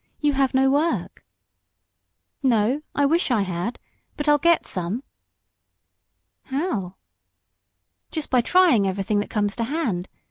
You have no work?" "No; I wish I had. But I'll get some." "How?" "Just by trying everything that comes to hand.